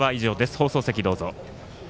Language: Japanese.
放送席どうぞ。